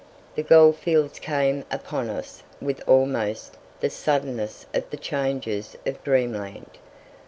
The goldfields came upon us with almost the suddenness of the changes of dreamland.